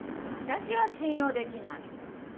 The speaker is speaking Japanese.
私は信用できない！